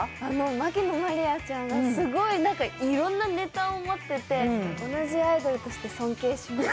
牧野真莉愛ちゃんがいろんなネタを持ってて同じアイドルとして尊敬します。